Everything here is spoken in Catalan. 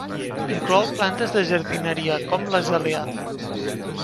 Inclou plantes de jardineria com l'azalea.